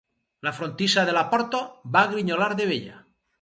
La frontissa de la porta va grinyolar de vella.